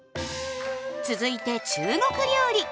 続いて中国料理。